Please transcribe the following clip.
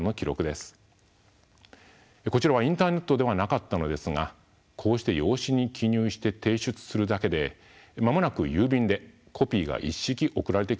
こちらはインターネットではなかったのですがこうして用紙に記入して提出するだけで間もなく郵便でコピーが一式送られてきました。